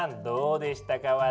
どうでしたか？